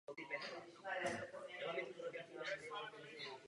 Po těchto knihách následovalo několik dalších sérií i samostatných knih.